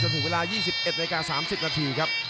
ถึงเวลา๒๑นาที๓๐นาทีครับ